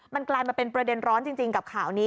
มันกลายมาเป็นประเด็นร้อนจริงกับข่าวนี้